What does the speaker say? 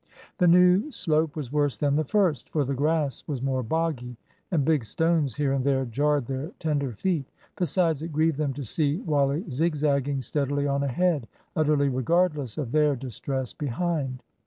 The new slope was worse than the first; for the grass was more boggy, and big stones here and there jarred their tender feet. Besides, it grieved them to see Wally zigzagging steadily on ahead, utterly regardless of their distress behind.